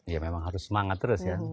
ya memang harus semangat terus ya